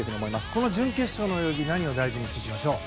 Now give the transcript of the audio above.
この準決勝の泳ぎは何を大事にしていきましょう？